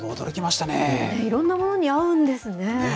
いろんなものに合うんですね。